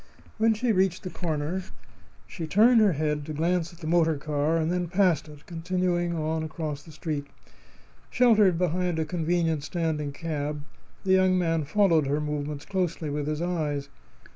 When she reached the corner she turned her head to glance at the motor car, and then passed it, continuing on across the street. Sheltered behind a convenient standing cab, the young man followed her movements closely with his eyes.